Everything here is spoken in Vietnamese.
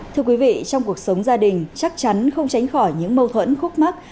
thưa quý vị trong cuộc sống gia đình chắc chắn không tránh khỏi những mâu thuẫn khúc mắt